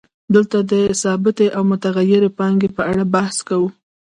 دلته د ثابتې او متغیرې پانګې په اړه بحث کوو